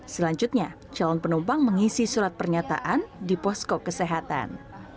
selanjutnya calon penumpang mengisi surat pernyataan di posko kesehatan